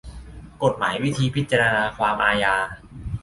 กฎหมายวิธีพิจารณาความอาญา